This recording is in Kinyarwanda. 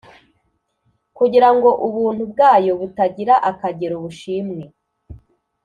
Kugira ngo ubuntu bwayo butagira akagero bushimwe,